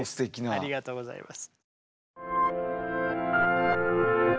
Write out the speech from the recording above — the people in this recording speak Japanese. ありがとうございます。